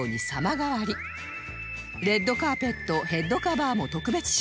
レッドカーペットヘッドカバーも特別仕様